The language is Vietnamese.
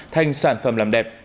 thành sản phẩm làm đẹp